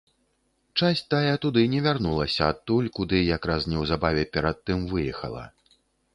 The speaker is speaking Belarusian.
Часць тая туды не вярнулася адтуль, куды якраз неўзабаве перад тым выехала.